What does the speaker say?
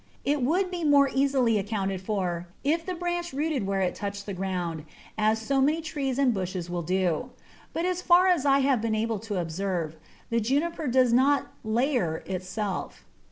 It would be more easily accounted for if the branch rooted where it touched the ground, as so many trees and bushes will do; but as far as I have been able to observe, the Juniper does not "layer" itself.